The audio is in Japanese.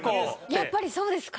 やっぱりそうですか？